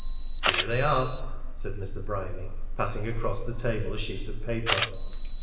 "Here they are," said Mr. Bryany, passing across the table a sheet of paper.